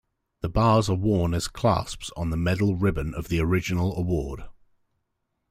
The bars are worn as clasps on the medal ribbon of the original award.